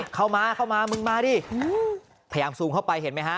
เข้ามาเข้ามามึงมาดิพยายามซูมเข้าไปเห็นไหมฮะ